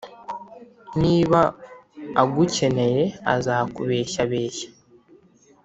Niba agukeneye azakubeshyabeshya,